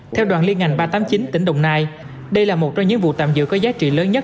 theo đoàn liên ngành ba trăm tám mươi chín tỉnh đồng nai đây là một trong những vụ tạm giữ có giá trị lớn nhất